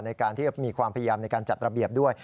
ในการที่มีความพยายามในการจัดระเบียบด้วย